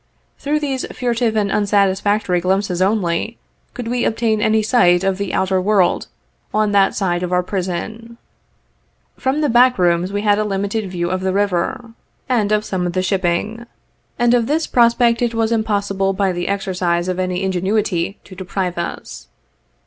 Through these furtive and unsatisfactory glimpses only, could we ob tain any sight of the outer world on that side of our prison. From the back rooms we had a limited view of the river, and of some of the shipping; and of this prospect it was impossible by the exercise of any ingenuity to deprive us.